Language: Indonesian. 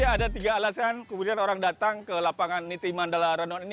ada tiga alasan kemudian orang datang ke lapangan niti mandala ranon ini